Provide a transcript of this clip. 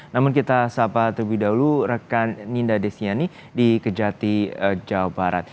namun kita sapa terlebih dahulu rekan ninda desiani di kejati jawa barat